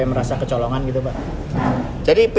merasa kecolongan gitu pak